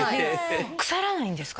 腐らないんですか？